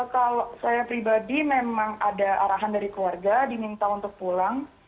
kalau saya pribadi memang ada arahan dari keluarga diminta untuk pulang